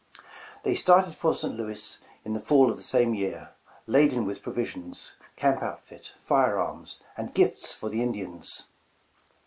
They started for St. Louis in the fall of the same year, laden with provisions, camp outfit, fire arms, and gifts for the Indians.